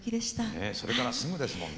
ねえそれからすぐですもんね。